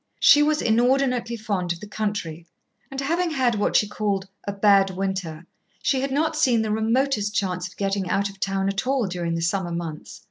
She was inordinately fond of the country, and having had what she called "a bad winter," she had not seen the remotest chance of getting out of town at all during the summer months.